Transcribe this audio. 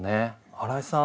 荒井さん